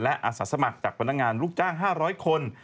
และอาสาสมัครจากพนักงานลูกจ้าง๕๐๐คน